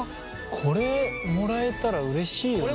これもらえたらうれしいよね。